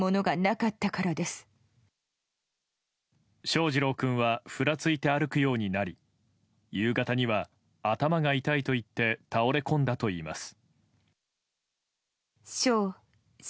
翔士郎君はふらついて歩くようになり夕方には頭が痛いと言って倒れ込んだといいます。